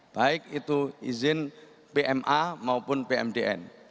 baik itu izin pma maupun pmdn